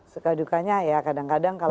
suka dukanya ya kadang kadang kalau